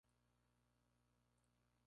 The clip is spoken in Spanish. Fue entonces cuando la fortuna jugó su parte.